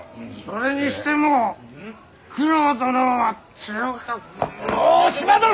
それにしても九郎殿は強かった。